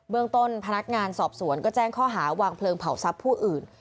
เมืองต้นพนักงานสอบสวนก็แจ้งข้อหาวางเพลิงเผาทรัพย์ผู้อื่น